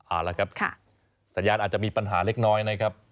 เอาละครับสัญญาณอาจจะมีปัญหาเล็กน้อยนะครับ